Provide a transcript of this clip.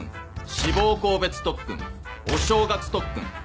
志望校別特訓お正月特訓。